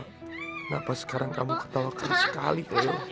kenapa sekarang kamu ketawakan sekali